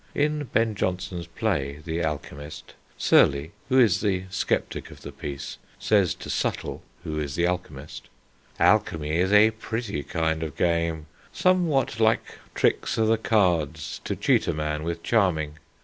In Ben Jonson's play The Alchemist, Surley, who is the sceptic of the piece, says to Subtle, who is the alchemist ... Alchemy is a pretty kind of game, Somewhat like tricks o' the cards, to cheat a man With charming